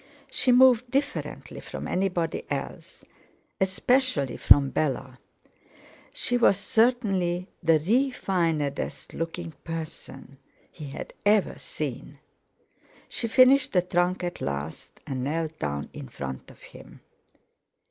She moved differently from anybody else, especially from Bella; she was certainly the refinedest looking person he had ever seen. She finished the trunk at last, and knelt down in front of him.